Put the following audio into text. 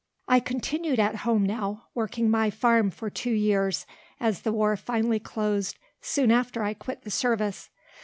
I continued at home now, working my farm for two years, as the war finally closed soon after I quit the service.